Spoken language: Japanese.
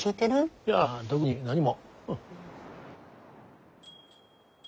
いや特に何も。